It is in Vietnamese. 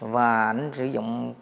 và anh sử dụng